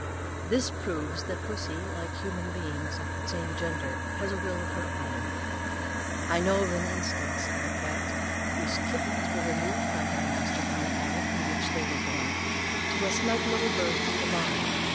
This proves that pussy like human beings of the same gender has a will of her own. I know an instance of a cat, whose kittens were removed by her master from the attic in which they were born, to a snug little berth in the barn.